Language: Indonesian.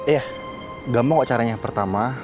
iya gampang kok caranya yang pertama